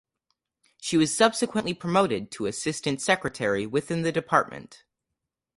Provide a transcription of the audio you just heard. She was subsequently promoted to assistant secretary within the Department.